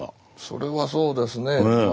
それはそうですね。